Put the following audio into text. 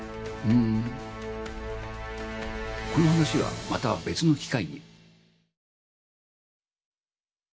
うんこの話はまた別の機会に。